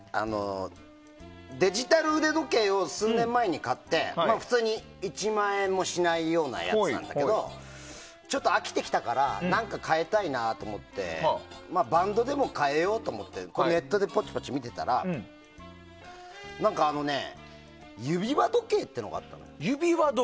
デジタル腕時計を数年前に買って普通に１万円もしないようなやつなんだけど飽きてきたから何か変えたいなと思ってバンドでも変えようと思ってネットでポチポチ見てたら何か、指輪時計っていうのがあったのよ。